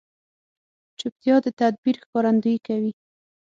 چوپتیا، د تدبیر ښکارندویي کوي.